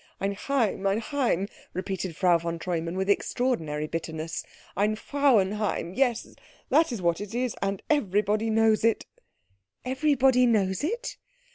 "Ein Heim, ein Heim," repeated Frau von Treumann with extraordinary bitterness, "ein Frauenheim yes, that is what it is, and everybody knows it." "Everybody knows it?"